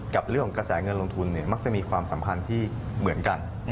กับเรื่องของกระแสเงินลงทุนมักจะมีความสัมพันธ์ที่เหมือนกัน